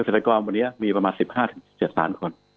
เศรษฐกรวันนี้มีประมาณ๑๕๑๗ต่างคน